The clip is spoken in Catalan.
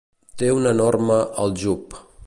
Té un enorme aljub.